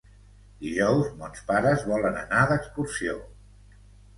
Dijous mons pares volen anar d'excursió.